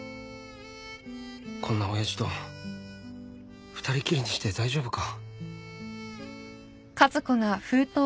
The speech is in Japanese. こんな親父と二人きりにして大丈夫か？